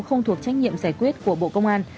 không thuộc trách nhiệm giải quyết của bộ công an